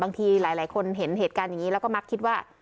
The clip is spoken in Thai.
บางทีหลายคนเห็นเหตุการณ์อย่างนี้แล้วก็มักคิดว่า